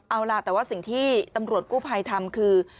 เอาล่ะแต่ว่าสิ่งที่ตำรวจกู้ภัยทำคือ